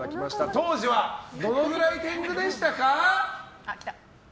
当時はどのくらい天狗でしたか？